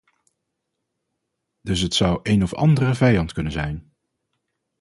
Dus het zou een of ander vijand kunnen zijn.